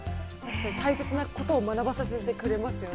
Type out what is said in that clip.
大切なことを学ばせてくれますね。